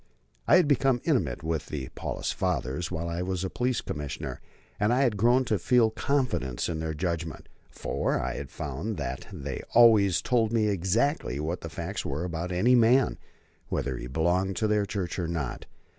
I had become intimate with the Paulist Fathers while I was Police Commissioner, and I had grown to feel confidence in their judgment, for I had found that they always told me exactly what the facts were about any man, whether he belonged to their church or not.